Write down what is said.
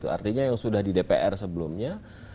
artinya yang sudah di dpr sebelumnya